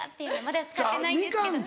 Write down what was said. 「まだ使ってないですけど」。